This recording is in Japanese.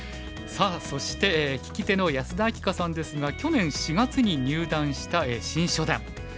さあそして聞き手の安田明夏さんですが去年４月に入段した新初段。